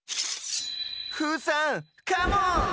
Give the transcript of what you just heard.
フーさんカモン！